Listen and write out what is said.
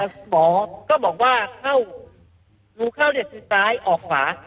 แล้วคุณหมอก็บอกว่ารูเข้าขังซ้ายออกขวา